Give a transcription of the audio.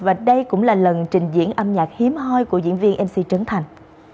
và đây cũng là lần trình diễn âm nhạc hiếm hoi của diễn viên nc trấn thành